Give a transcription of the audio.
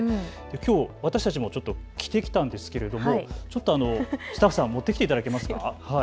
きょう私たちもちょっと着てきたんですけれども、スタッフさん、持ってきていただけますか。